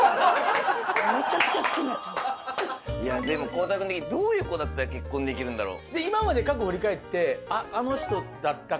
でも孝太郎さん的にどういう子だったら結婚できるんだろう？